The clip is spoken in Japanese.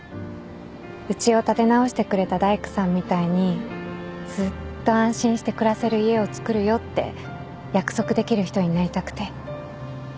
うちを建て直してくれた大工さんみたいにずっと安心して暮らせる家をつくるよって約束できる人になりたくて。